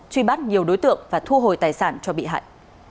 truy bắt nhiều đối tượng và thu hồi tài sản cho bị hại